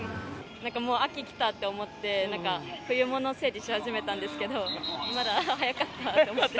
なんかもう秋、来たって思って、なんか冬物整理し始めたんですけど、まだ早かったと思って。